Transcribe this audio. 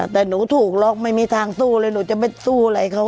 แต่หนูถูกล็อกไม่มีทางสู้เลยหนูจะไม่สู้อะไรเขา